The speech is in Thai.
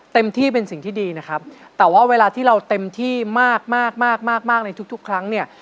เต็มที่เป็นสิ่งที่ดีนะครับแต่ว่าเวลาที่เราเต็มที่มากมากมากในทุกทุกครั้งเนี่ย